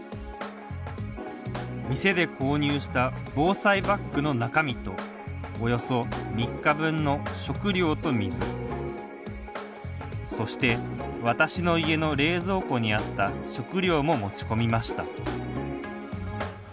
店で購入した防災バッグの中身とおよそ３日分の食料と水そして、私の家の冷蔵庫にあった食料も持ち込みました。